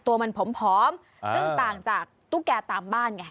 ตัวมันผอมซึ่งต่างจากตุ๊กแก่ตามบ้านไง